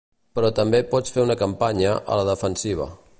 Però també pots fer una campanya “a la defensiva”.